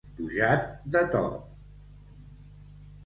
Pujat de to.